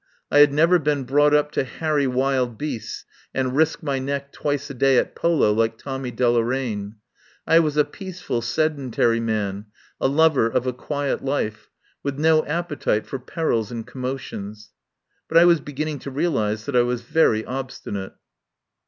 I had never been brought up to harry wild beasts and risk my neck twice a day at polo like Tommy Delo raine. I was a peaceful, sedentary man, a lover of a quiet life, with no appetite for perils and commotions. But I was beginning to realize that I was very obstinate.